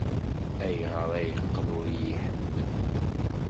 Ayɣer ay yeqqel ur iyi-iḥemmel?